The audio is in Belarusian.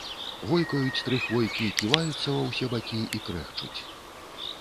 Войкаюць тры хвойкі, ківаюцца ва ўсе бакі і крэхчуць.